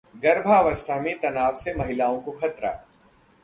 गर्भावस्था में तनाव से महिलाओं को खतरा...